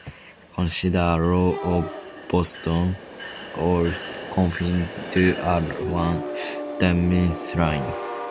Consider a row of bosons all confined to a one-dimensional line.